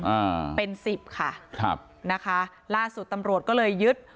อ่าเป็นสิบค่ะครับนะคะล่าสุดตำรวจก็เลยยึด